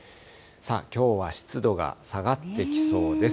きょうは湿度が下がってきそうです。